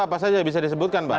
apa saja bisa disebutkan pak